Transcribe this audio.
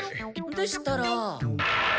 でしたら。